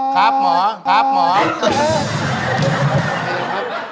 ครับหมอครับหมอนะครับ